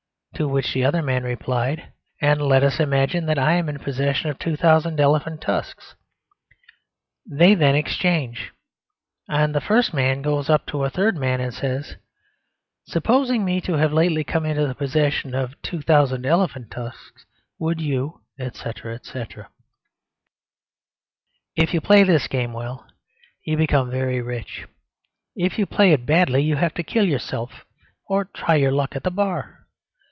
To which the other man replied, "And let us imagine that I am in possession of two thousand elephants' tusks." They then exchange, and the first man goes up to a third man and says, "Supposing me to have lately come into the possession of two thousand elephants' tusks, would you, etc.?" If you play this game well, you become very rich; if you play it badly you have to kill yourself or try your luck at the Bar.